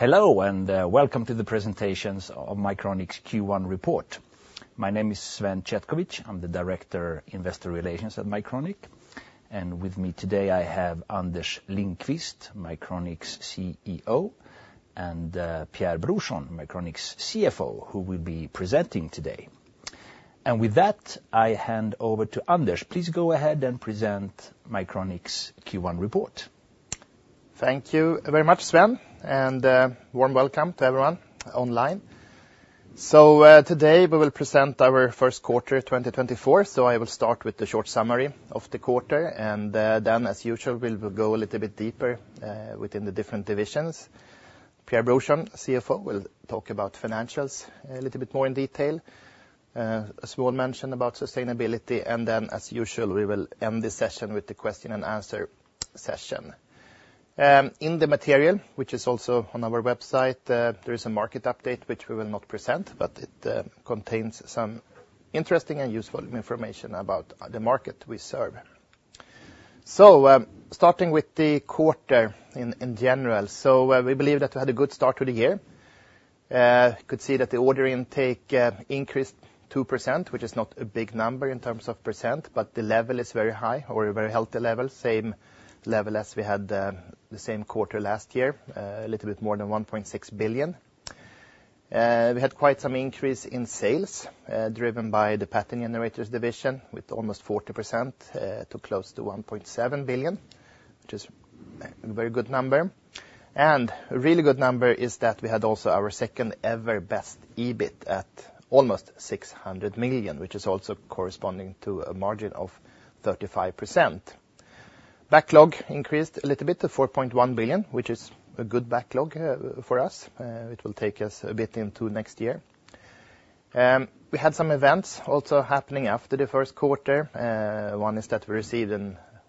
Hello and welcome to the presentations of Mycronic's Q1 report. My name is Sven Chetkovich, I'm the Director of Investor Relations at Mycronic, and with me today I have Anders Lindqvist, Mycronic's CEO, and Pierre Brorsson, Mycronic's CFO, who will be presenting today, and with that, I hand over to Anders, please go ahead and present Mycronic's Q1 report. Thank you very much, Sven, and a warm welcome to everyone online. So today we will present our first quarter 2024, so I will start with the short summary of the quarter, and then as usual we'll go a little bit deeper within the different divisions. Pierre Brorsson, CFO, will talk about financials a little bit more in detail, a small mention about sustainability, and then as usual we will end this session with the question and answer session. In the material, which is also on our website, there is a market update which we will not present, but it contains some interesting and useful information about the market we serve. So starting with the quarter in general, so we believe that we had a good start to the year. You could see that the order intake increased 2%, which is not a big number in terms of percent, but the level is very high, or a very healthy level, same level as we had the same quarter last year, a little bit more than 1.6 billion. We had quite some increase in sales driven by the Pattern Generators division with almost 40% to close to 1.7 billion, which is a very good number. And a really good number is that we had also our second ever best EBIT at almost 600 million, which is also corresponding to a margin of 35%. Backlog increased a little bit to 4.1 billion, which is a good backlog for us. It will take us a bit into next year. We had some events also happening after the first quarter. One is that we received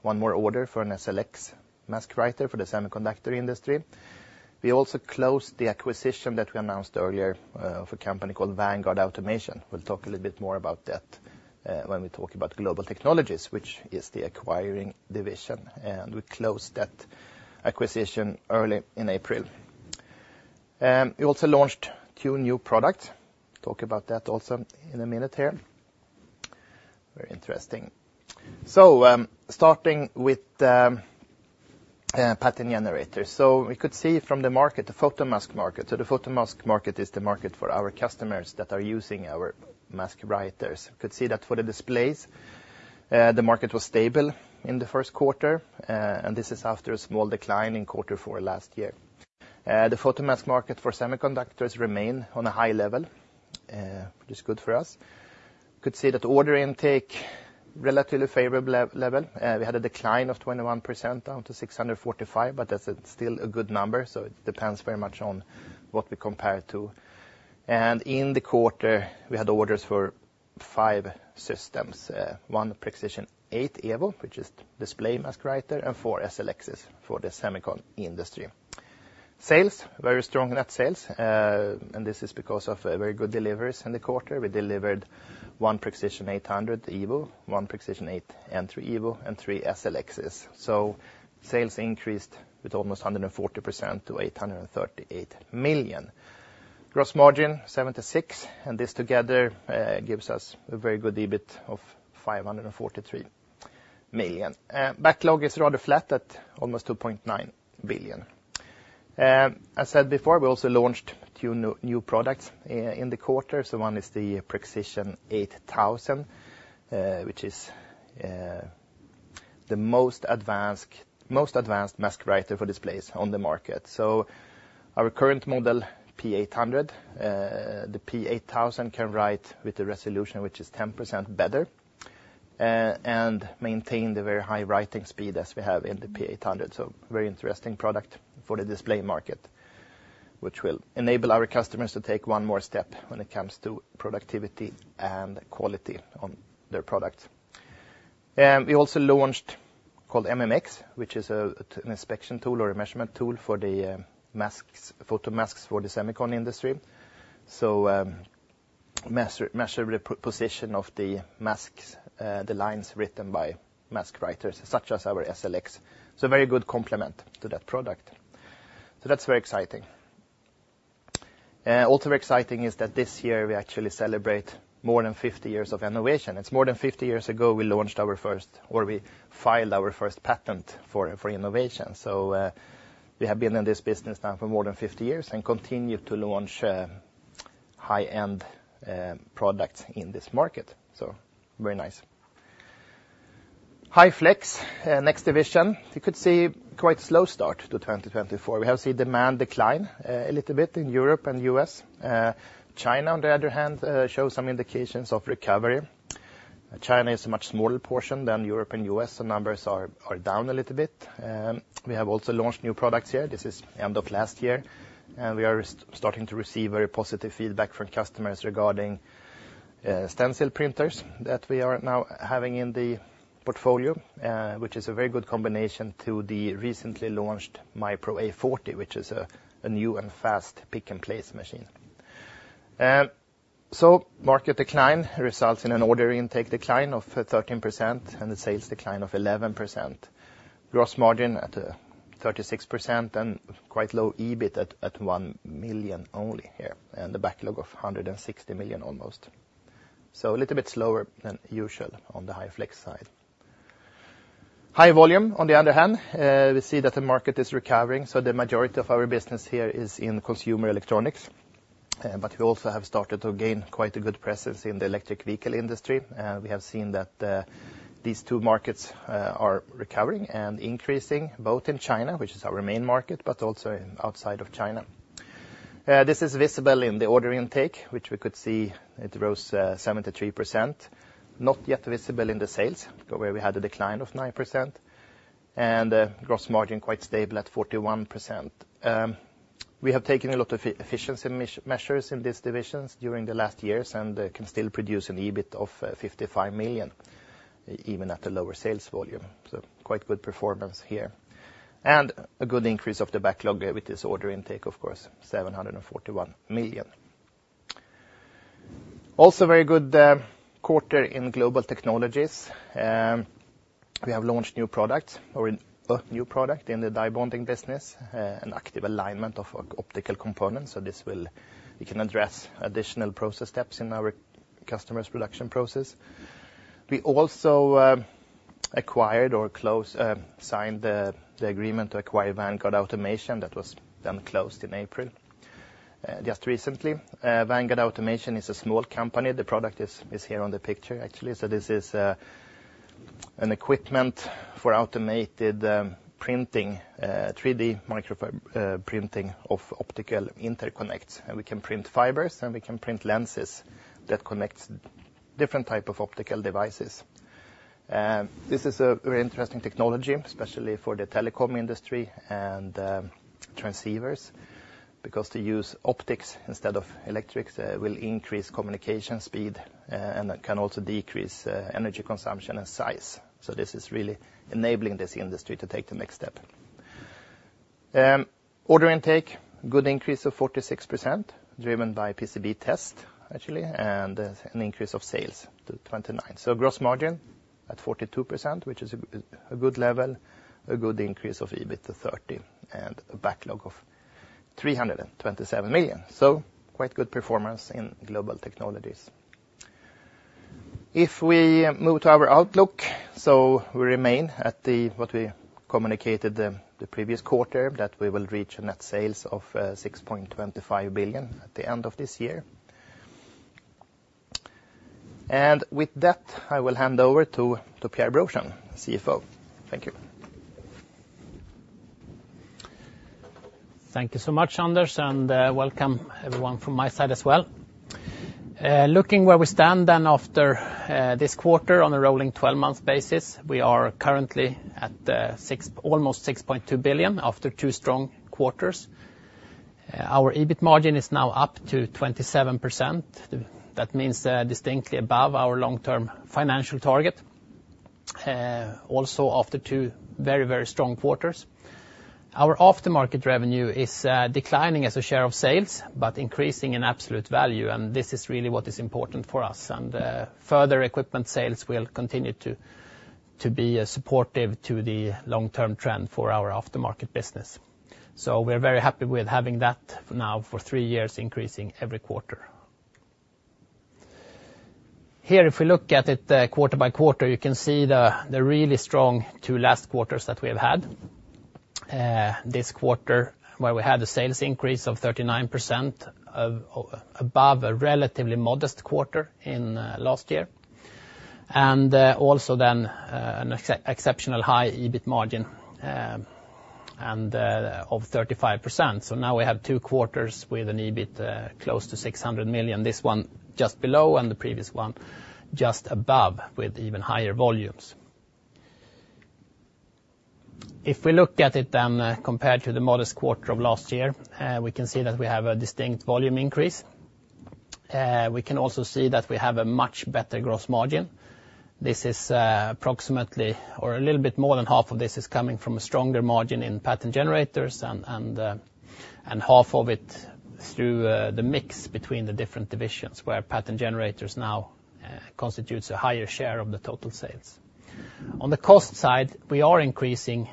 one more order for an SLX mask writer for the semiconductor industry. We also closed the acquisition that we announced earlier for a company called Vanguard Automation. We'll talk a little bit more about that when we talk about Global Technologies, which is the acquiring division, and we closed that acquisition early in April. We also launched two new products. Talk about that also in a minute here. Very interesting. So starting with Pattern Generators, so we could see from the market, the photomask market. So the photomask market is the market for our customers that are using our mask writers. You could see that for the displays, the market was stable in the first quarter, and this is after a small decline in quarter four last-year. The photomask market for semiconductors remained on a high level, which is good for us. You could see that order intake, relatively favorable level. We had a decline of 21% down to 645 million, but that's still a good number, so it depends very much on what we compare to, and in the quarter, we had orders for five systems: one Prexision 8 Evo, which is display mask writer, and four SLXs for the semiconductor industry. Sales, very strong net sales, and this is because of very good deliveries in the quarter. We delivered one Prexision 800 Evo, one Prexision 8 Entry Evo, and three SLXs, so sales increased with almost 140% to 838 million. Gross margin 76%, and this together gives us a very good EBIT of 543 million. Backlog is rather flat at almost 2.9 billion. As said before, we also launched two new products in the quarter. So one is the Prexision 8000, which is the most advanced mask writer for displays on the market. So our current model, P800, the P8000 can write with a resolution which is 10% better and maintain the very high writing speed as we have in the P800. So very interesting product for the display market, which will enable our customers to take one more step when it comes to productivity and quality on their products. We also launched called MMX, which is an inspection tool or a measurement tool for the masks, photomasks for the semiconductor industry. So measure the position of the masks, the lines written by mask writers such as our SLX. So very good complement to that product. So that's very exciting. Also very exciting is that this year we actually celebrate more than 50 years of innovation. It's more than 50 years ago we launched our first, or we filed our first patent for innovation. So we have been in this business now for more than 50 years and continue to launch high-end products in this market. So very High Flex, next division. You could see quite a slow start to 2024. We have seen demand decline a little bit in Europe and the U.S., China, on the other hand, shows some indications of recovery. China is a much smaller portion than Europe and the U.S. The numbers are down a little bit. We have also launched new products here. This is the end of last year. And we are starting to receive very positive feedback from customers regarding stencil printers that we are now having in the portfolio, which is a very good combination to the recently launched MYPro A40, which is a new and fast pick and place machine. So market decline results in an order intake decline of 13% and a sales decline of 11%. Gross margin at 36% and quite low EBIT at 1 million only here, and the backlog of 160 million almost. So a little bit slower than usual on High Flex side. High volume, on the other hand, we see that the market is recovering. So the majority of our business here is in consumer electronics, but we also have started to gain quite a good presence in the electric vehicle industry. We have seen that these two markets are recovering and increasing both in China, which is our main market, but also outside of China. This is visible in the order intake, which we could see, it rose 73%. Not yet visible in the sales, where we had a decline of 9%, and gross margin quite stable at 41%. We have taken a lot of efficiency measures in these divisions during the last-years and can still produce an EBIT of 55 million even at a lower sales volume. So quite good performance here. And a good increase of the backlog with this order intake, of course, 741 million. Also very good quarter in Global Technologies. We have launched new products, or a new product in the die bonding business, an active alignment of optical components. So this will. We can address additional process steps in our customers' production process. We also acquired or signed the agreement to acquire Vanguard Automation that was then closed in April just recently. Vanguard Automation is a small company. The product is here on the picture, actually, so this is an equipment for automated printing, 3D microfiber printing of optical interconnects. And we can print fibers and we can print lenses that connect different types of optical devices. This is a very interesting technology, especially for the telecom industry and transceivers, because to use optics instead of electrics will increase communication speed and can also decrease energy consumption and size, so this is really enabling this industry to take the next step. Order intake, good increase of 46% driven by PCB test, actually, and an increase of sales to 29%, so gross margin at 42%, which is a good level, a good increase of EBIT to 30 and a backlog of 327 million. Quite good performance in Global Technologies. If we move to our outlook, so we remain at what we communicated the previous quarter that we will reach a net sales of 6.25 billion at the end of this year. With that, I will hand over to Pierre Brorsson, CFO. Thank you. Thank you so much, Anders, and welcome everyone from my side as well. Looking where we stand then after this quarter on a rolling 12-month basis, we are currently at almost 6.2 billion after two strong quarters. Our EBIT margin is now up to 27%. That means distinctly above our long-term financial target, also after two very, very strong quarters. Our aftermarket revenue is declining as a share of sales but increasing in absolute value, and this is really what is important for us, and further equipment sales will continue to be supportive to the long-term trend for our aftermarket business, so we're very happy with having that now for three years, increasing every quarter. Here, if we look at it quarter by quarter, you can see the really strong two last quarters that we have had. This quarter, where we had a sales increase of 39% above a relatively modest quarter in last year. And also then an exceptional high EBIT margin and of 35%. So now we have two quarters with an EBIT close to 600 million. This one just below and the previous one just above with even higher volumes. If we look at it then compared to the modest quarter of last year, we can see that we have a distinct volume increase. We can also see that we have a much better gross margin. This is approximately, or a little bit more than half of this is coming from a stronger margin in Pattern Generators, and half of it through the mix between the different divisions, where Pattern Generators now constitute a higher share of the total sales. On the cost side, we are increasing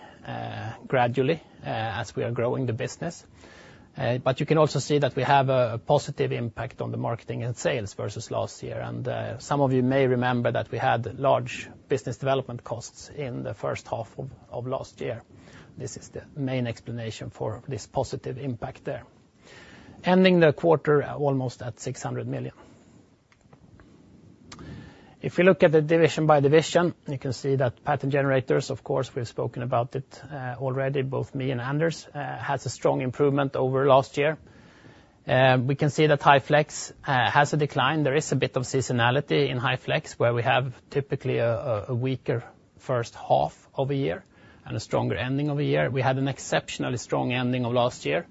gradually as we are growing the business. But you can also see that we have a positive impact on the marketing and sales versus last year. And some of you may remember that we had large business development costs in the first half of last year. This is the main explanation for this positive impact there, ending the quarter almost at 600 million. If we look at the division by division, you can see that Pattern Generators, of course, we've spoken about it already, both me and Anders, has a strong improvement over last year. We can see High Flex has a decline. There is a bit of seasonality High Flex, where we have typically a weaker first half of a year and a stronger ending of a year. We had an exceptionally strong ending of last year,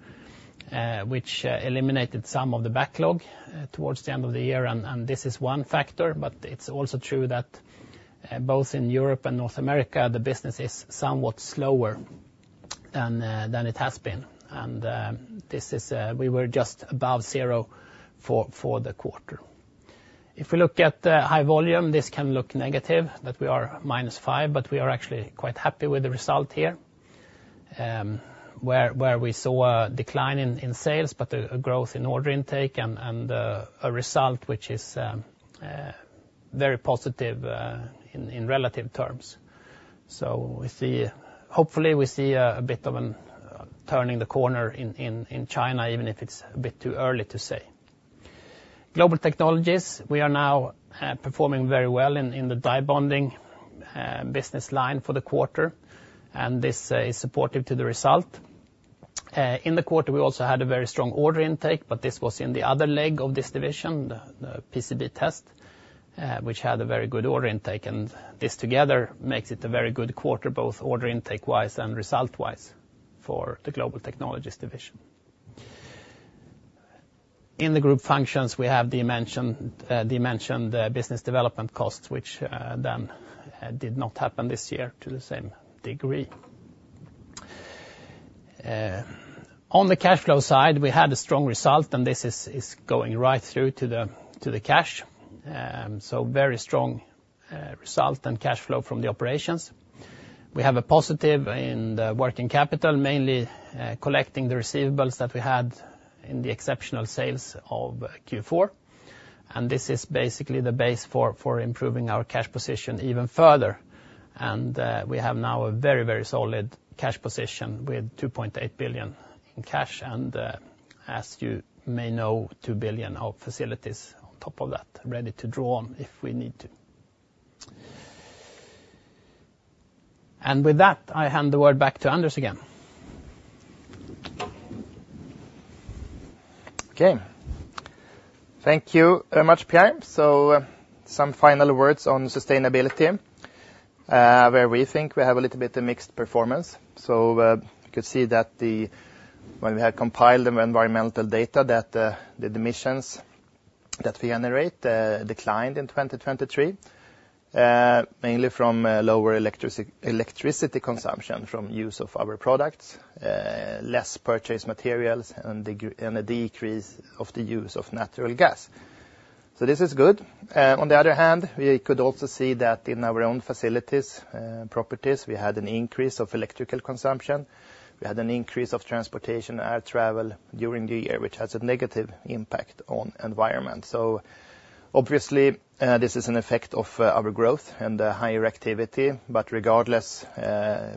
which eliminated some of the backlog towards the end of the year. And this is one factor, but it's also true that both in Europe and North America, the business is somewhat slower than it has been. And this is, we were just above zero for the quarter. If we look at High Volume, this can look negative that we are minus five, but we are actually quite happy with the result here, where we saw a decline in sales, but a growth in order intake and a result which is very positive in relative terms. So we see, hopefully we see a bit of a turning the corner in China, even if it's a bit too early to say. Global Technologies, we are now performing very well in the die bonding business line for the quarter, and this is supportive to the result. In the quarter, we also had a very strong order intake, but this was in the other leg of this division, the PCB test, which had a very good order intake. And this together makes it a very good quarter, both order intake-wise and result-wise for the Global Technologies division. In the group functions, we have the mentioned business development costs, which then did not happen this year to the same degree. On the cash flow side, we had a strong result, and this is going right through to the cash. So very strong result and cash flow from the operations. We have a positive in the working capital, mainly collecting the receivables that we had in the exceptional sales of Q4. And this is basically the base for improving our cash position even further. And we have now a very, very solid cash position with 2.8 billion in cash and, as you may know, 2 billion of facilities on top of that, ready to draw on if we need to. And with that, I hand the word back to Anders again. Okay. Thank you very much, Pierre. So some final words on sustainability, where we think we have a little bit of mixed performance. So you could see that when we had compiled the environmental data, that the emissions that we generate declined in 2023, mainly from lower electricity consumption from use of our products, less purchase materials, and a decrease of the use of natural gas. So this is good. On the other hand, we could also see that in our own facilities, properties, we had an increase of electrical consumption. We had an increase of transportation and air travel during the year, which has a negative impact on the environment. So obviously, this is an effect of our growth and higher activity. But regardless,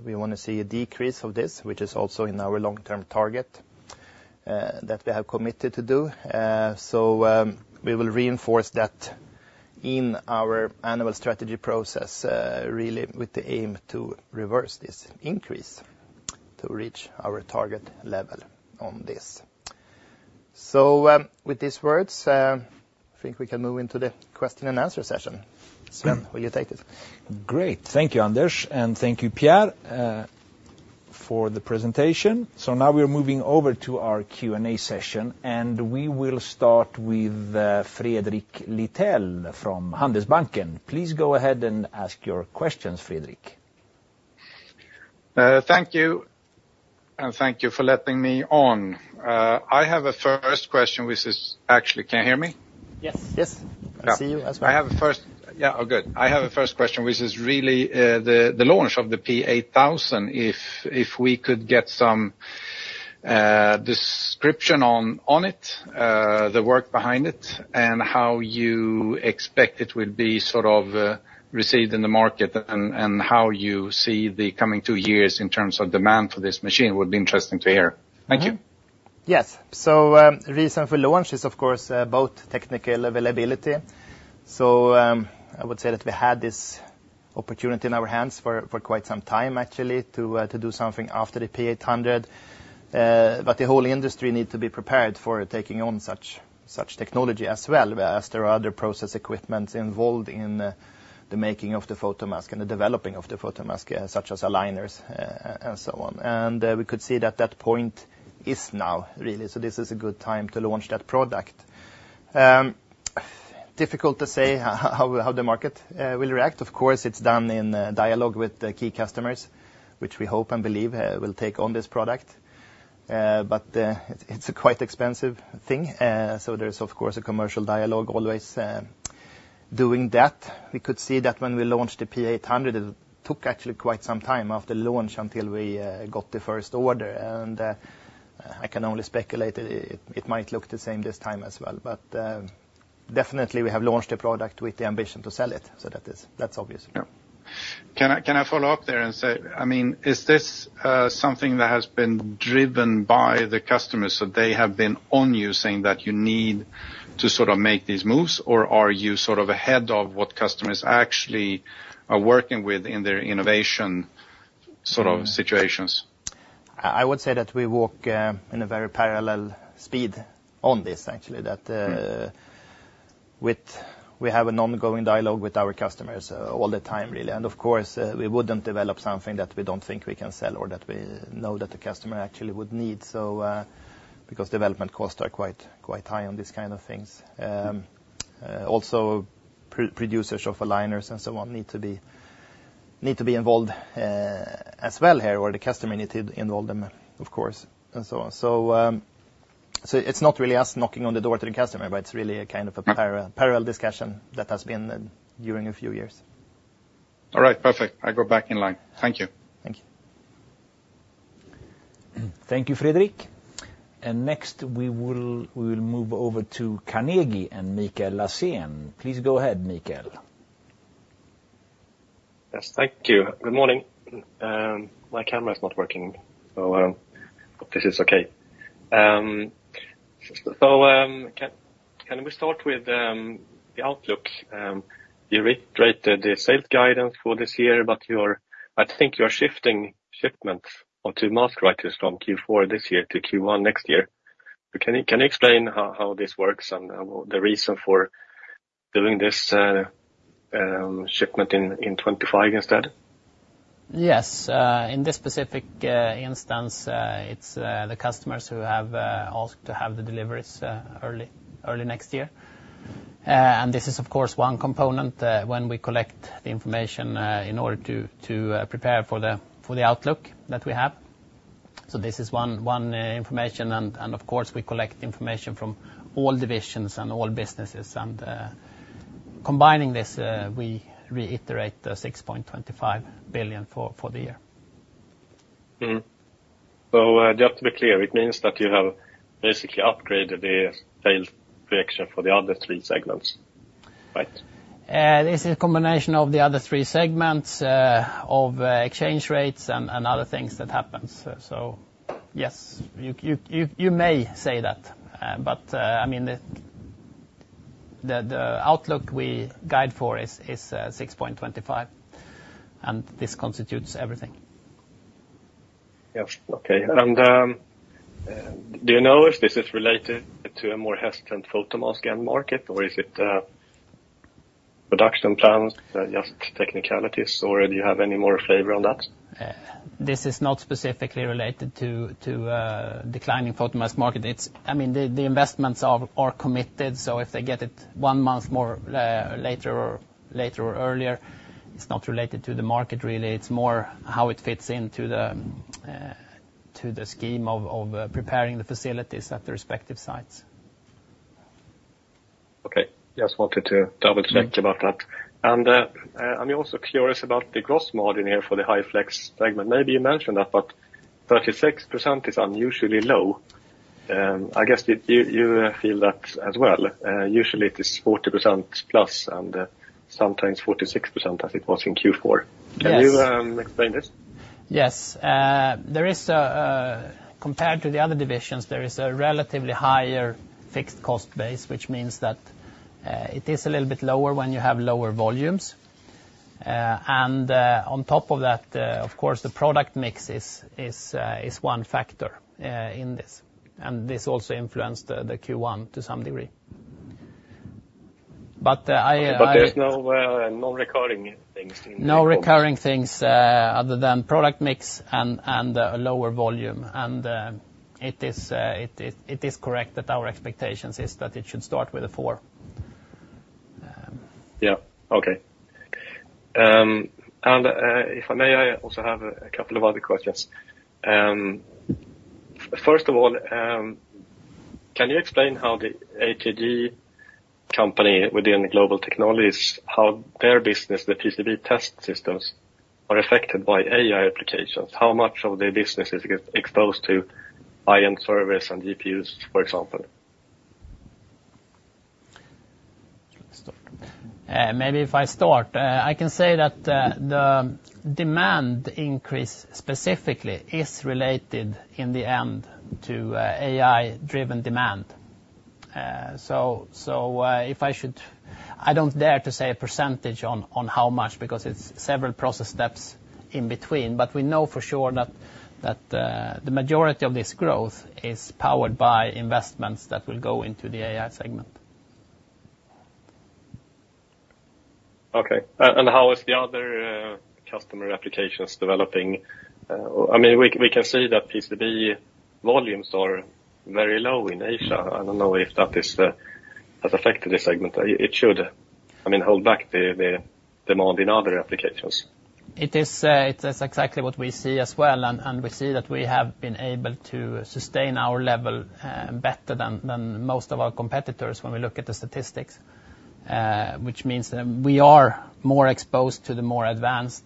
we want to see a decrease of this, which is also in our long-term target that we have committed to do. So we will reinforce that in our annual strategy process, really with the aim to reverse this increase to reach our target level on this. So with these words, I think we can move into the question and answer session. Sven, will you take this? Great. Thank you, Anders, and thank you, Pierre, for the presentation. So now we're moving over to our Q&A session, and we will start with Fredrik Lithell from Handelsbanken. Please go ahead and ask your questions, Fredrik. Thank you, and thank you for letting me on. I have a first question, which is actually, can you hear me? Yes. Yes. I see you as well. I have a first question, which is really the launch of the P8000, if we could get some description on it, the work behind it, and how you expect it would be sort of received in the market and how you see the coming two years in terms of demand for this machine. It would be interesting to hear. Thank you. Yes, so the reason for launch is, of course, both technical availability, so I would say that we had this opportunity in our hands for quite some time, actually, to do something after the P800. But the whole industry needs to be prepared for taking on such technology as well, as there are other process equipments involved in the making of the photomask and the developing of the photomask, such as aligners and so on, and we could see that that point is now, really, so this is a good time to launch that product. Difficult to say how the market will react. Of course, it's done in dialogue with key customers, which we hope and believe will take on this product, but it's a quite expensive thing, so there's, of course, a commercial dialogue always doing that. We could see that when we launched the P800, it took actually quite some time after launch until we got the first order, and I can only speculate, it might look the same this time as well, but definitely, we have launched a product with the ambition to sell it, so that's obvious. Yeah. Can I follow up there and say, I mean, is this something that has been driven by the customers so they have been on you saying that you need to sort of make these moves, or are you sort of ahead of what customers actually are working with in their innovation sort of situations? I would say that we walk in a very parallel speed on this, actually, that we have an ongoing dialogue with our customers all the time, really, and of course, we wouldn't develop something that we don't think we can sell or that we know that the customer actually would need, because development costs are quite high on these kinds of things. Also, producers of aligners and so on need to be involved as well here, or the customer needs to involve them, of course, and so on, so it's not really us knocking on the door to the customer, but it's really a kind of a parallel discussion that has been during a few-years. All right. Perfect. I go back in line. Thank you. Thank you. Thank you, Fredrik. And next, we will move over to Carnegie and Michael Laséen. Please go ahead, Michael. Yes. Thank you. Good morning. My camera is not working, so I hope this is okay, so can we start with the outlook? You reiterated the sales guidance for this year, but I think you are shifting shipments of two mask writers from Q4 this year to Q1 next-year. Can you explain how this works and the reason for doing this shipment in 2025 instead? Yes. In this specific instance, it's the customers who have asked to have the deliveries early next year. And this is, of course, one component when we collect the information in order to prepare for the outlook that we have. So this is one information. And of course, we collect information from all divisions and all businesses. And combining this, we reiterate the 6.25 billion for the year. So just to be clear, it means that you have basically upgraded the sales projection for the other three segments, right? This is a combination of the other three segments of exchange rates and other things that happen. So yes, you may say that. But I mean, the outlook we guide for is 6.25, and this constitutes everything. Yes. Okay, and do you know if this is related to a more hesitant photomask end market, or is it production plans, just technicalities, or do you have any more flavor on that? This is not specifically related to declining photomask market. I mean, the investments are committed, so if they get it one month later or earlier, it's not related to the market, really. It's more how it fits into the scheme of preparing the facilities at the respective sites. Okay. Just wanted to double-check about that, and I'm also curious about the gross margin here for High Flex segment. Maybe you mentioned that, but 36% is unusually low. I guess you feel that as well. Usually, it is 40% plus and sometimes 46% as it was in Q4. Can you explain this? Yes. Compared to the other divisions, there is a relatively higher fixed cost base, which means that it is a little bit lower when you have lower volumes. And on top of that, of course, the product mix is one factor in this. And this also influenced the Q1 to some degree. But I. But there's no recurring things in the. No recurring things other than product mix and lower volume, and it is correct that our expectation is that it should start with a four. Yeah. Okay. And if I may, I also have a couple of other questions. First of all, can you explain how the atg company within Global Technologies, how their business, the PCB test systems, are affected by AI applications? How much of their business is exposed to high-end servers and GPUs, for example? Maybe if I start, I can say that the demand increase specifically is related in the end to AI-driven demand. So if I should, I don't dare to say a percentage on how much because it's several process steps in between. But we know for sure that the majority of this growth is powered by investments that will go into the AI segment. Okay, and how is the other customer applications developing? I mean, we can see that PCB volumes are very low in Asia. I don't know if that is affected this segment. It should, I mean, hold back the demand in other applications. It is exactly what we see as well. And we see that we have been able to sustain our level better than most of our competitors when we look at the statistics, which means that we are more exposed to the more advanced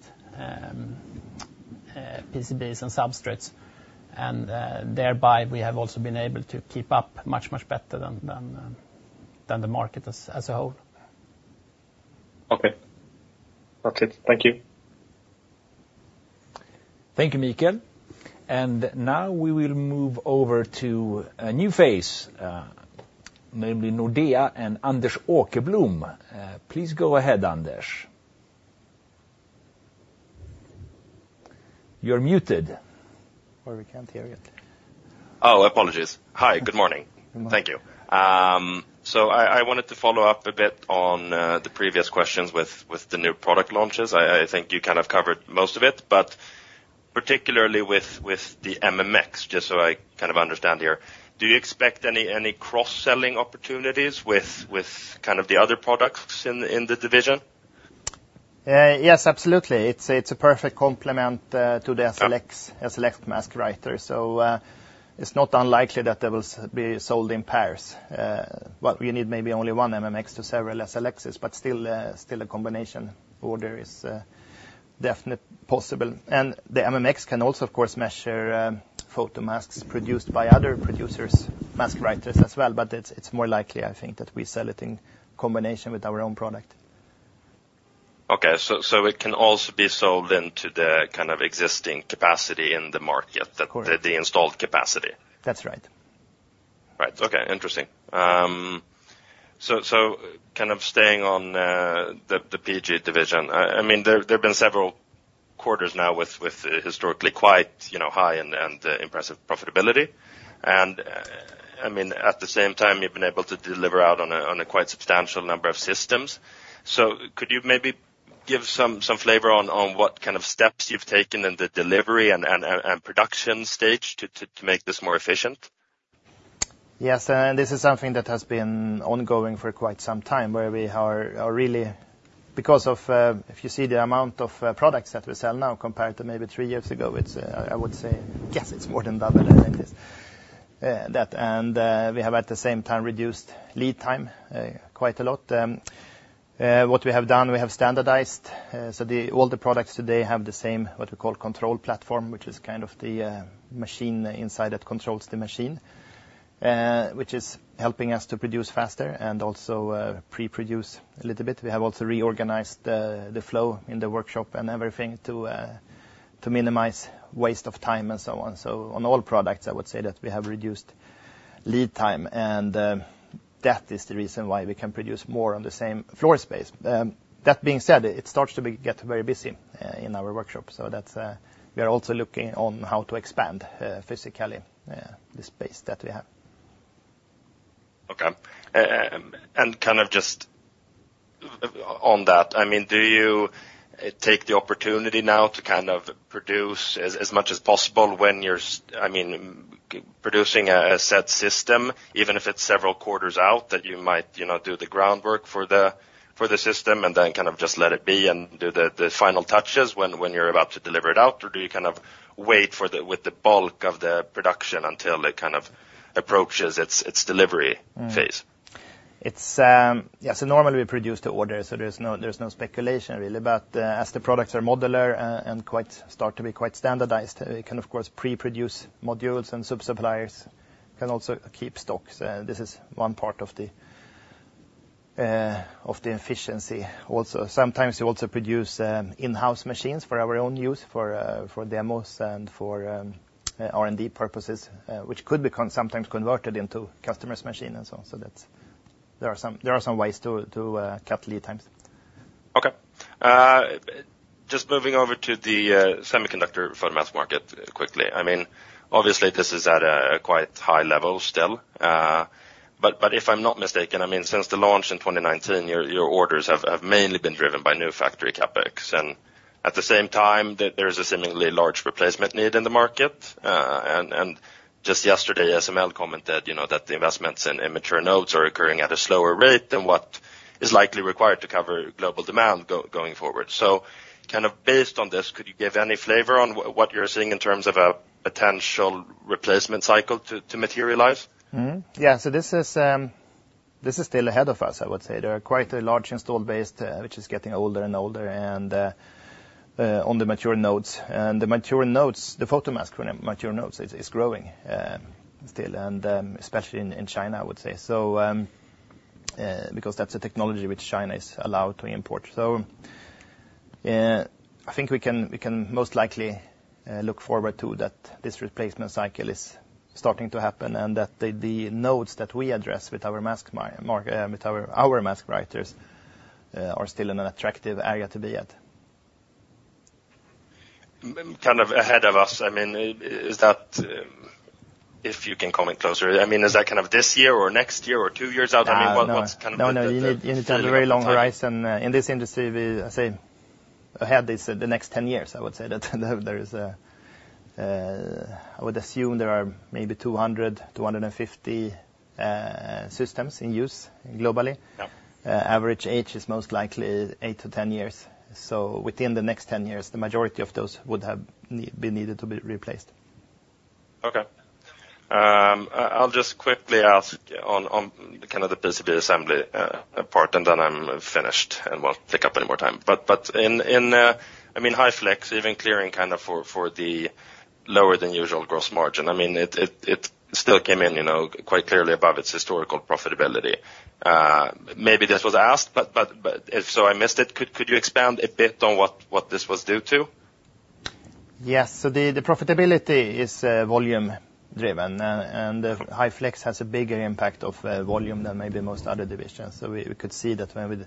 PCBs and substrates. And thereby, we have also been able to keep up much, much better than the market as a whole. Okay. Got it. Thank you. Thank you, Michael. And now we will move over to a new phase, namely Nordea and Anders Åkerblom. Please go ahead, Anders. You're muted. Or we can't hear you. Oh, apologies. Hi, good morning. Thank you. So I wanted to follow up a bit on the previous questions with the new product launches. I think you kind of covered most of it, but particularly with the MMX, just so I kind of understand here. Do you expect any cross-selling opportunities with kind of the other products in the division? Yes, absolutely. It's a perfect complement to the SLX mask writer. So it's not unlikely that they will be sold in pairs. Well, you need maybe only one MMX to several SLXs, but still a combination order is definitely possible. And the MMX can also, of course, measure photomasks produced by other producers, mask writers as well. But it's more likely, I think, that we sell it in combination with our own product. Okay. So it can also be sold into the kind of existing capacity in the market, the installed capacity. That's right. Right. Okay. Interesting. So kind of staying on the PG division, I mean, there have been several quarters now with historically quite high and impressive profitability. And I mean, at the same time, you've been able to deliver out on a quite substantial number of systems. So could you maybe give some flavor on what kind of steps you've taken in the delivery and production stage to make this more efficient? Yes. And this is something that has been ongoing for quite some time where we are really, because of, if you see the amount of products that we sell now compared to maybe three-years ago, I would say, yes, it's more than double in this. And we have, at the same time, reduced lead time quite a lot. What we have done, we have standardized. So all the products today have the same what we call control platform, which is kind of the machine inside that controls the machine, which is helping us to produce faster and also pre-produce a little bit. We have also reorganized the flow in the workshop and everything to minimize waste of time and so on. So on all products, I would say that we have reduced lead time. And that is the reason why we can produce more on the same floor space. That being said, it starts to get very busy in our workshop. So we are also looking on how to expand physically the space that we have. Okay, and kind of just on that, I mean, do you take the opportunity now to kind of produce as much as possible when you're, I mean, producing a set system, even if it's several quarters out, that you might do the groundwork for the system and then kind of just let it be and do the final touches when you're about to deliver it out? Or do you kind of wait with the bulk of the production until it kind of approaches its delivery phase? Yes. So normally, we produce the order, so there's no speculation really. But as the products are modular and start to be quite standardized, we can, of course, pre-produce modules and sub-suppliers can also keep stock. So this is one part of the efficiency also. Sometimes we also produce in-house machines for our own use for demos and for R&D purposes, which could be sometimes converted into customers' machines and so on. So there are some ways to cut lead times. Okay. Just moving over to the semiconductor photomask market quickly. I mean, obviously, this is at a quite high level still. But if I'm not mistaken, I mean, since the launch in 2019, your orders have mainly been driven by new factory CapEx. And at the same time, there is a seemingly large replacement need in the market. And just yesterday, ASML commented that the investments in mature nodes are occurring at a slower rate than what is likely required to cover global demand going forward. So kind of based on this, could you give any flavor on what you're seeing in terms of a potential replacement cycle to materialize? Yeah, so this is still ahead of us, I would say. There are quite a large installed base, which is getting older and older on the mature nodes, and the photomask mature nodes is growing still, especially in China, I would say, because that's a technology which China is allowed to import, so I think we can most likely look forward to that this replacement cycle is starting to happen and that the nodes that we address with our mask writers are still in an attractive area to be at. Kind of ahead of us, I mean, is that if you can comment closer? I mean, is that kind of this-year or next-year or two-years out? I mean, what's kind of the. No, no. You need to have a very long horizon. In this industry, I say, ahead is the next 10years, I would say that there is, I would assume there are maybe 200-250 systems in use globally. Average age is most likely eight to 10 years. So within the next 10 years, the majority of those would have been needed to be replaced. Okay. I'll just quickly ask on kind of the PCB assembly part, and then I'm finished and won't take up any more time, but in, I High Flex, even clearing kind of for the lower than usual gross margin, I mean, it still came in quite clearly above its historical profitability. Maybe this was asked, but if so I missed it. Could you expand a bit on what this was due to? Yes. So the profitability is volume-driven, High Flex has a bigger impact of volume than maybe most other divisions. So we could see that when we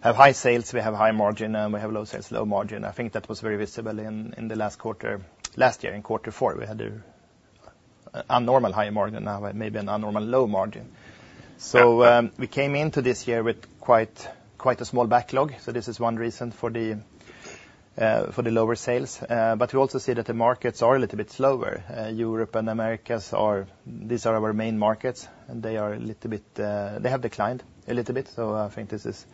have high sales, we have high margin, and we have low sales, low margin. I think that was very visible in the last quarter. Last-year, in quarter four, we had an abnormal high margin and now maybe an abnormal low margin. So we came into this-year with quite a small backlog. So this is one reason for the lower sales. But we also see that the markets are a little bit slower. Europe and America, these are our main markets, and they have declined a little bit. So I think this is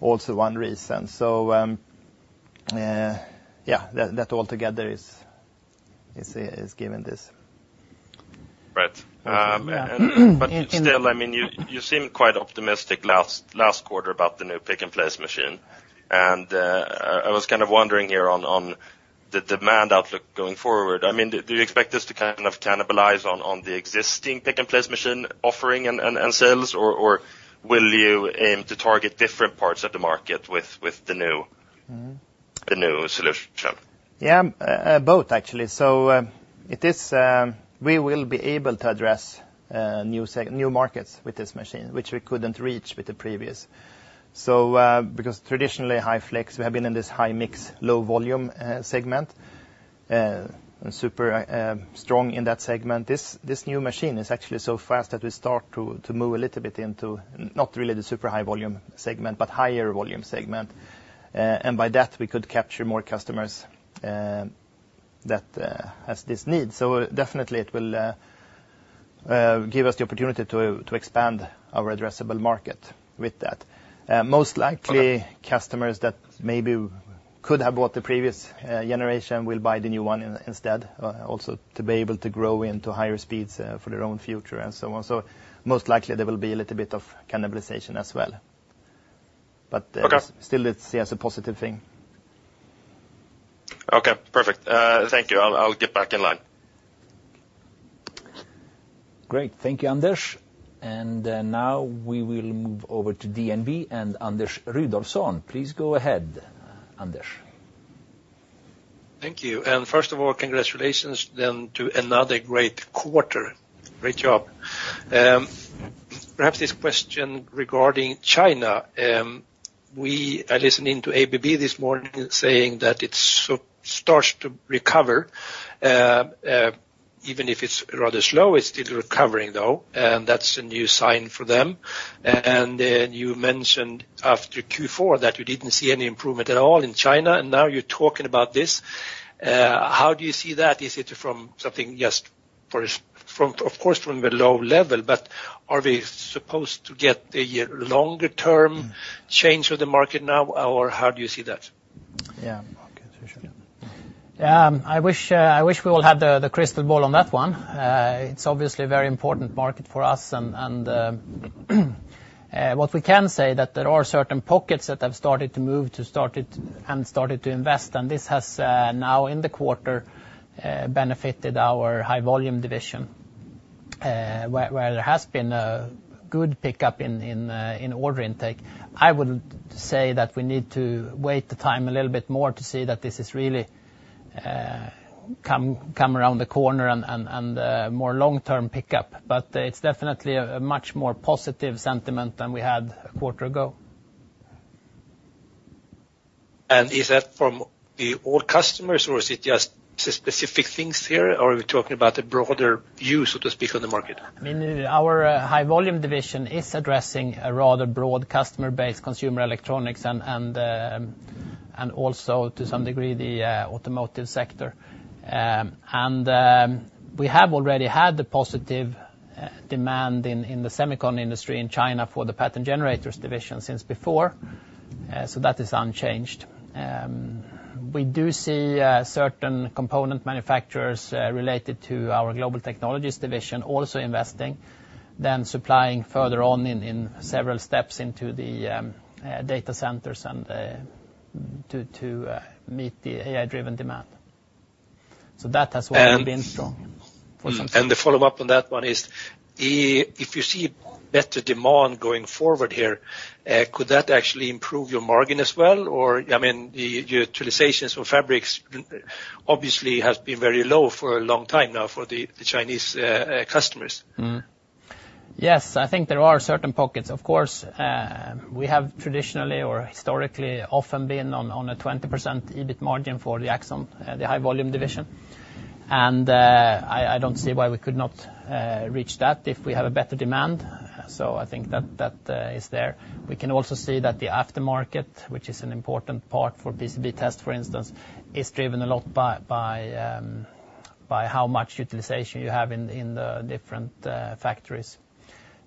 also one reason. So yeah, that altogether is giving this. Right, but still, I mean, you seemed quite optimistic last quarter about the new pick-and-place machine, and I was kind of wondering here on the demand outlook going forward. I mean, do you expect this to kind of cannibalize on the existing pick-and-place machine offering and sales, or will you aim to target different parts of the market with the new solution? Yeah, both actually. So we will be able to address new markets with this machine, which we couldn't reach with the previous. So because High Flex, we have been in this high mix, low volume segment and super strong in that segment. This new machine is actually so fast that we start to move a little bit into not really the super high volume segment, but higher volume segment. And by that, we could capture more customers that have this need. So definitely, it will give us the opportunity to expand our addressable market with that. Most likely, customers that maybe could have bought the previous generation will buy the new one instead also to be able to grow into higher speeds for their own future and so on. So most likely, there will be a little bit of cannibalization as well. But still, let's see as a positive thing. Okay. Perfect. Thank you. I'll get back in line. Great. Thank you, Anders. And now we will move over to DNB and Anders Rudolfsson. Please go ahead, Anders. Thank you. And first of all, congratulations then to another great quarter. Great job. Perhaps this question regarding China. I listened into ABB this morning saying that it starts to recover. Even if it's rather slow, it's still recovering, though. And that's a new sign for them. And you mentioned after Q4 that you didn't see any improvement at all in China, and now you're talking about this. How do you see that? Is it from something just, of course, from the low level, but are we supposed to get a longer-term change of the market now, or how do you see that? Yeah. I wish we will have the crystal ball on that one. It's obviously a very important market for us, and what we can say is that there are certain pockets that have started to move and started to invest, and this has now, in the quarter, benefited our High Volume division, where there has been a good pickup in order intake. I would say that we need to wait the time a little bit more to see that this has really come around the corner and more long-term pickup, but it's definitely a much more positive sentiment than we had a quarter ago. And is that from the old customers, or is it just specific things here, or are we talking about a broader view, so to speak, on the market? I mean, our High Volume division is addressing a rather broad customer base, consumer electronics, and also to some degree, the automotive sector, and we have already had the positive demand in the semiconductor industry in China for the Pattern Generators division since before, so that is unchanged. We do see certain component manufacturers related to our Global Technologies division also investing, then supplying further on in several steps into the data centers and to meet the AI-driven demand, so that has already been strong for some time. The follow-up on that one is, if you see better demand going forward here, could that actually improve your margin as well? Or I mean, the utilizations for fabs obviously have been very low for a long time now for the Chinese customers. Yes. I think there are certain pockets. Of course, we have traditionally or historically often been on a 20% EBIT margin for the Axxon, the High Volume division. And I don't see why we could not reach that if we have a better demand. So I think that is there. We can also see that the aftermarket, which is an important part for PCB tests, for instance, is driven a lot by how much utilization you have in the different factories.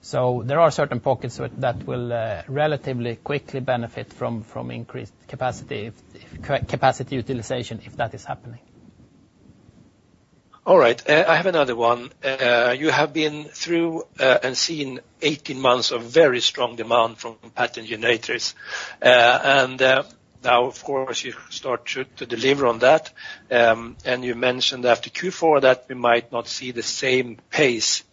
So there are certain pockets that will relatively quickly benefit from increased capacity utilization if that is happening. All right. I have another one. You have been through and seen 18 months of very strong demand from Pattern Generators. And now, of course, you start to deliver on that. And you mentioned after Q4 that we might not see the same pace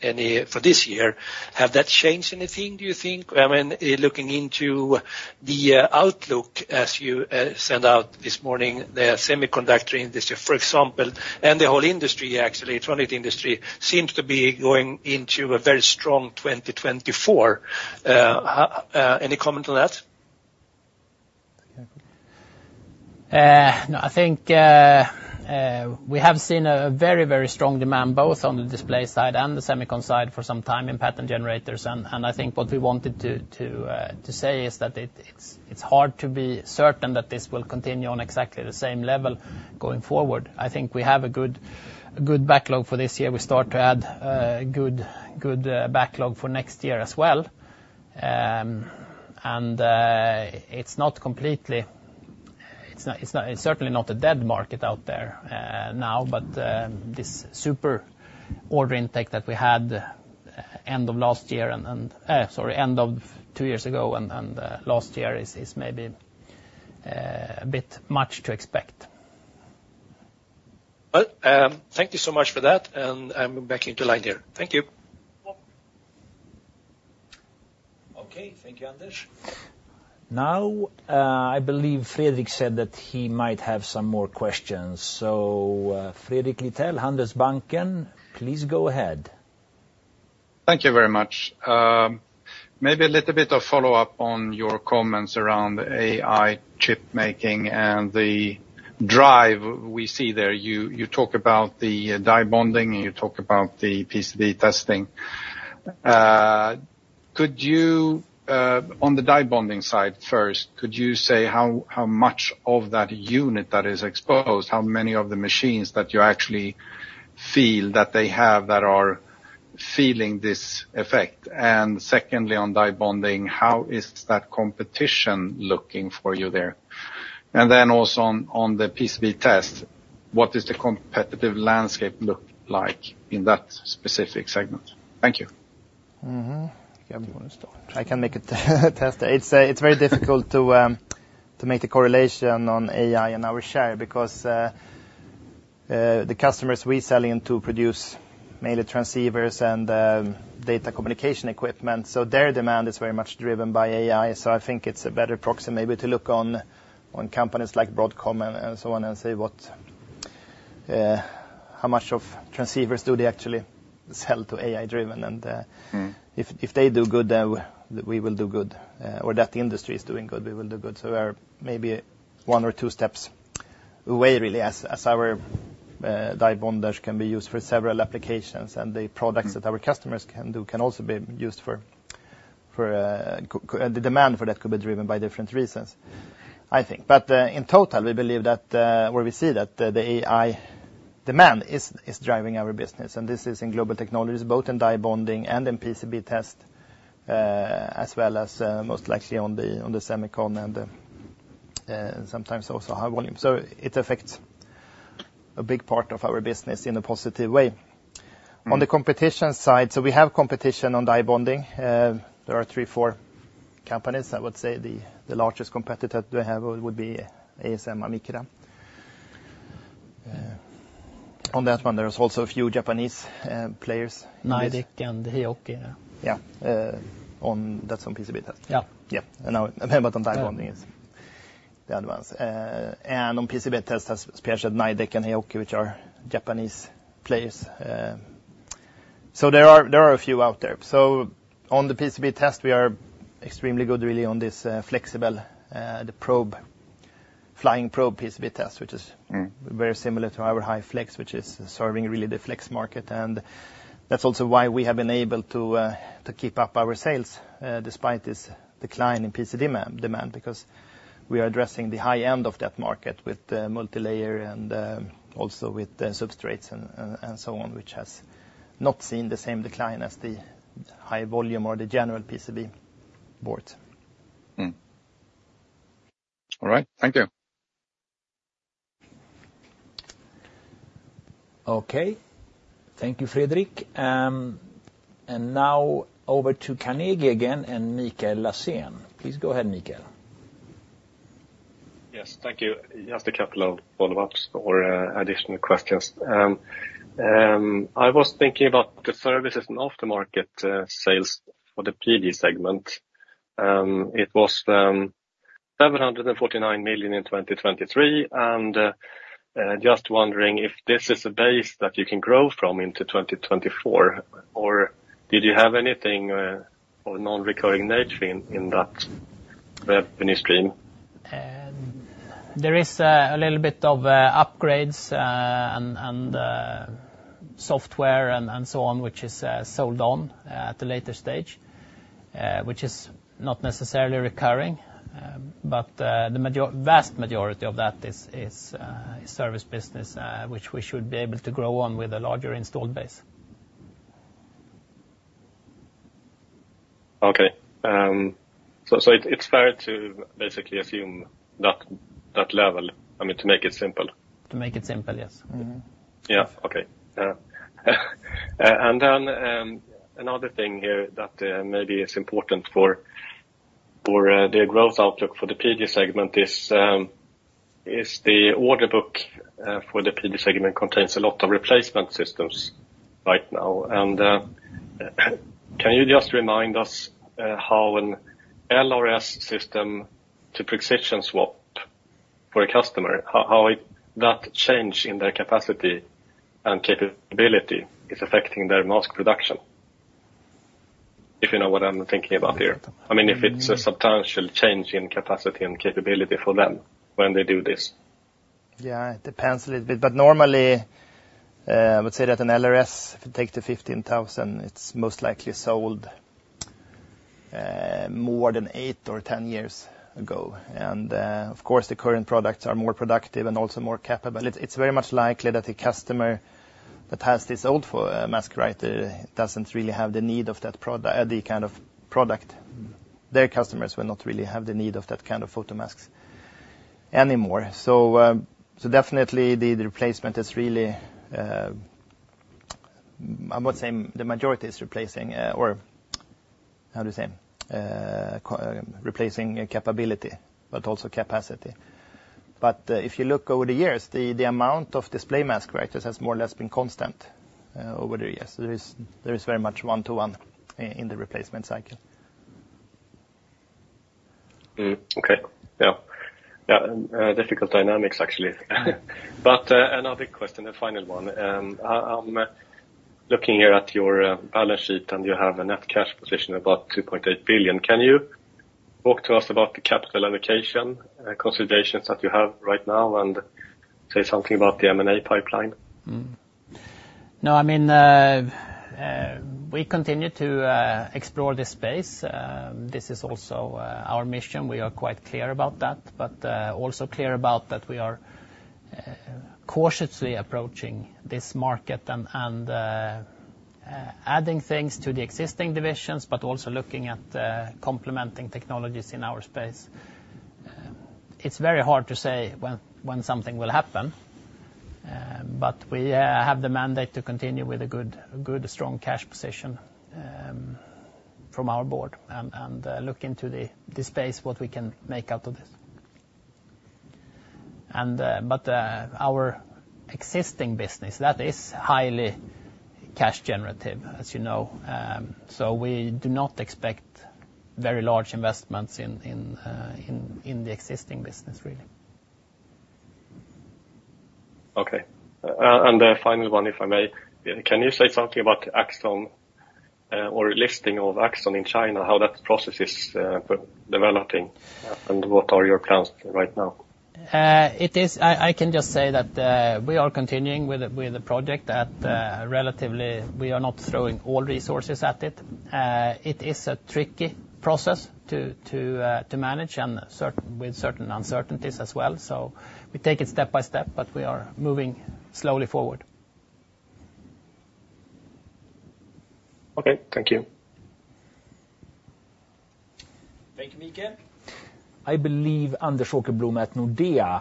for this-year. Has that changed anything, do you think? I mean, looking into the outlook as you sent out this morning, the semiconductor industry, for example, and the whole industry, actually, electronic industry seems to be going into a very strong 2024. Any comment on that? I think we have seen a very, very strong demand both on the display side and the semiconductor side for some time in Pattern Generators. And I think what we wanted to say is that it's hard to be certain that this will continue on exactly the same level going forward. I think we have a good backlog for this year. We start to add a good backlog for next year as well. And it's not completely, certainly not a dead market out there now, but this super order intake that we had end of last-year and sorry, end of two-years ago and last-year is maybe a bit much to expect. Thank you so much for that, and I'm back into line here. Thank you. Okay. Thank you, Anders. Now, I believe Fredrik Lithell said that he might have some more questions. So Fredrik Lithell, Handelsbanken, please go ahead. Thank you very much. Maybe a little bit of follow-up on your comments around AI chip making and the drive we see there. You talk about the die bonding, and you talk about the PCB testing. On the die bonding side first, could you say how much of that unit that is exposed, how many of the machines that you actually feel that they have that are feeling this effect? And secondly, on die bonding, how is that competition looking for you there? And then also on the PCB test, what does the competitive landscape look like in that specific segment? Thank you. I can make a test. It's very difficult to make a correlation on AI and our share because the customers we sell into produce mainly transceivers and data communication equipment, so their demand is very much driven by AI, so I think it's a better proxy maybe to look on companies like Broadcom and so on and say how much of transceivers do they actually sell to AI-driven, and if they do good, then we will do good, or that industry is doing good, we will do good, so we are maybe one or two steps away, really, as our die bonding can be used for several applications, and the products that our customers can do can also be used for the demand for that could be driven by different reasons, I think, but in total, we believe that or we see that the AI demand is driving our business. And this is in Global Technologies, both in die bonding and in PCB test, as well as most likely on the semiconductor and sometimes also High Volume. So it affects a big part of our business in a positive way. On the competition side, so we have competition on die bonding. There are three, four companies. I would say the largest competitor that we have would be ASM, Amicra. On that one, there are also a few Japanese players. Nidec and Hioki. Yeah. On that. That's on PCB test. Yeah. And now, but on die bonding is the advance. And on PCB test, as perhaps Nidec and Hioki, which are Japanese players. So there are a few out there. So on the PCB test, we are extremely good, really, on this flexible, the probe, flying probe PCB test, which is very similar to High Flex, which is serving really the flex market. And that's also why we have been able to keep up our sales despite this decline in PCB demand because we are addressing the high end of that market with the multi-layer and also with the substrates and so on, which has not seen the same decline as the high volume or the general PCB boards. All right. Thank you. Okay. Thank you, Fredrik. And now over to Carnegie again and Michael Laséen. Please go ahead, Michael. Yes. Thank you. Just a couple of follow-ups or additional questions. I was thinking about the services and aftermarket sales for the PG segment. It was 749 million in 2023. And just wondering if this is a base that you can grow from into 2024, or did you have anything of non-recurring nature in that revenue stream? There is a little bit of upgrades and software and so on, which is sold on at a later stage, which is not necessarily recurring. But the vast majority of that is service business, which we should be able to grow on with a larger installed base. Okay, so it's fair to basically assume that level, I mean, to make it simple. To make it simple, yes. Yeah. Okay. And then another thing here that maybe is important for the growth outlook for the PG segment is the order book for the PG segment contains a lot of replacement systems right now. And can you just remind us how an LRS system to Prexision swap for a customer, how that change in their capacity and capability is affecting their mass production? If you know what I'm thinking about here. I mean, if it's a substantial change in capacity and capability for them when they do this. Yeah. It depends a little bit, but normally, I would say that an LRS, if you take the 15,000, it's most likely sold more than eight or 10 years ago, and of course, the current products are more productive and also more capable. It's very much likely that the customer that has this old mask writer doesn't really have the need of that kind of product. Their customers will not really have the need of that kind of photomasks anymore. So definitely, the replacement is really, I would say the majority is replacing or how do you say, replacing capability, but also capacity, but if you look over the years, the amount of display mask writers has more or less been constant over the years. There is very much one-to-one in the replacement cycle. Okay. Yeah. Yeah. Difficult dynamics, actually. But another question, the final one. I'm looking here at your balance sheet, and you have a net cash position of about 2.8 billion. Can you walk us through the capital allocation considerations that you have right now and say something about the M&A pipeline? No. I mean, we continue to explore this space. This is also our mission. We are quite clear about that, but also clear about that we are cautiously approaching this market and adding things to the existing divisions, but also looking at complementing technologies in our space. It's very hard to say when something will happen, but we have the mandate to continue with a good, strong cash position from our board and look into the space what we can make out of this. But our existing business, that is highly cash generative, as you know. So we do not expect very large investments in the existing business, really. Okay. And the final one, if I may, can you say something about Axxon or listing of Axxon in China, how that process is developing, and what are your plans right now? I can just say that we are continuing with the project that relatively we are not throwing all resources at it. It is a tricky process to manage with certain uncertainties as well. So we take it step by step, but we are moving slowly forward. Okay. Thank you. Thank you, Michael. I believe Anders Åkerblom at Nordea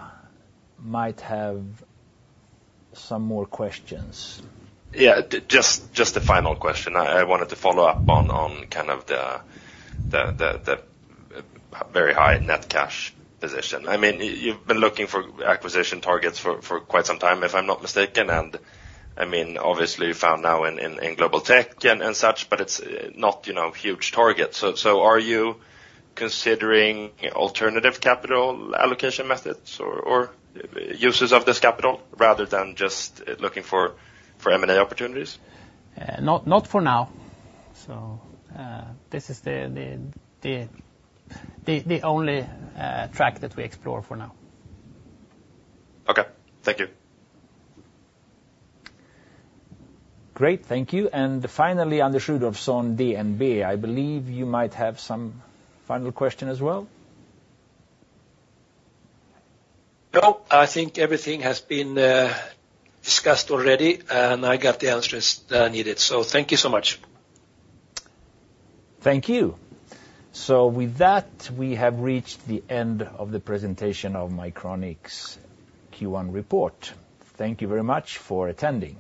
might have some more questions. Yeah. Just a final question. I wanted to follow up on kind of the very high net cash position. I mean, you've been looking for acquisition targets for quite some time, if I'm not mistaken, and I mean, obviously, you found now in global tech and such, but it's not a huge target, so are you considering alternative capital allocation methods or uses of this capital rather than just looking for M&A opportunities? Not for now. So this is the only track that we explore for now. Okay. Thank you. Great. Thank you. And finally, Anders Rudolfsson DNB. I believe you might have some final question as well. No. I think everything has been discussed already, and I got the answers needed. So thank you so much. Thank you. So with that, we have reached the end of the presentation of Mycronic's Q1 report. Thank you very much for attending.